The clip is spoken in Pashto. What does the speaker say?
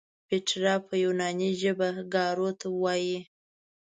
پیترا په یوناني ژبه ګارو ته وایي.